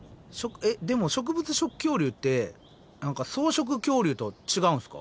えっでも植物食恐竜って何か草食恐竜とは違うんすか？